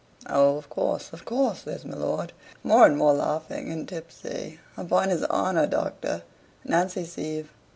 "Oh, of course, of course," says my lord, more and more laughing and tipsy. "Upon his HONOR, Doctor Nancy Sieve